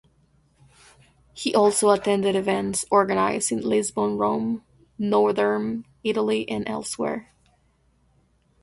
He also attended events organized in Lisbon, Rome, northern Italy and elsewhere.